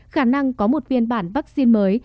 khả năng có một viên bản vaccine mới